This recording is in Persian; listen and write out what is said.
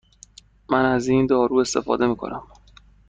من از این دارو استفاده می کنم.